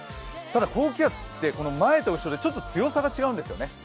ただ、高気圧って、前と後ろでちょっと強さが違うんですよね。